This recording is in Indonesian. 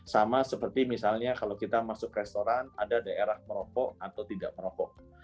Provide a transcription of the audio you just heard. sama seperti misalnya kalau kita masuk restoran ada daerah merokok atau tidak merokok